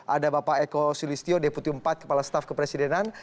ada bapak eko sulistyo deputi empat kepala staf kepresidenan